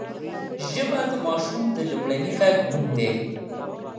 ژبه د ماشوم د لومړني غږ نوم دی